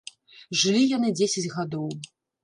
Жылі яны дзесяць гадоў.